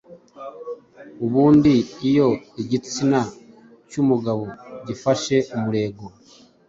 Ubundi iyo igitsina cy’umugabo gifashe umurego